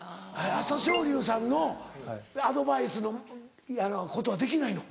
朝青龍さんのアドバイスのことはできないの？